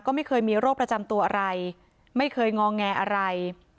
ก็ไม่เคยมีโรคประจำตัวอะไรไม่เคยงอแงอะไร